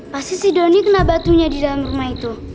pasti si doni kena batunya di dalam rumah itu